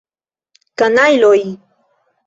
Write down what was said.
Kanajloj!